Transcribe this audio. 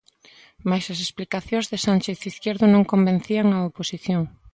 Mais as explicacións de Sánchez Izquierdo non convencían á oposición.